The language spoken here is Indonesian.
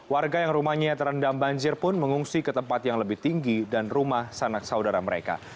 warga yang rumahnya terendam banjir pun mengungsi ke tempat yang lebih tinggi dan rumah sanak saudara mereka